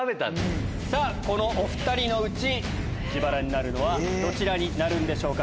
このお２人のうち自腹になるのはどちらになるんでしょうか？